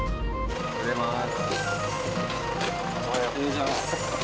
おはようございます。